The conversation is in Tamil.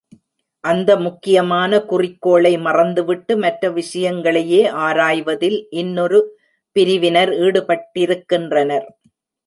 அந்த முக்கியமான குறிக்கோளை மறந்துவிட்டு மற்ற விஷயங்களையே ஆராய்வதில் இன்னொரு பிரிவினர் ஈடுபட்டிருக்கின்றனர்.